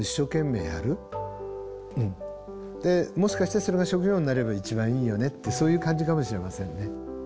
でもしかしたらそれが職業になれば一番いいよねってそういう感じかもしれませんね。